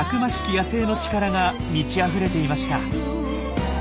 野生の力が満ちあふれていました。